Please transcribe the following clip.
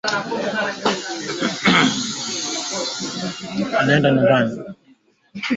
Toa taarifa kwa wataalamu wa tiba za mifugo ukishuku kuwepo taarifa yoyote ya kimeta